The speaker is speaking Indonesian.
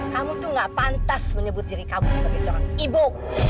kamu tuh gak pantas menyebut diri kamu sebagai seorang ibu